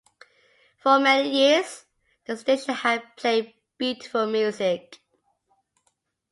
For many years, the station had played beautiful music.